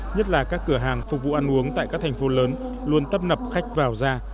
nhất là các cửa hàng phục vụ ăn uống tại các thành phố lớn luôn tấp nập khách vào ra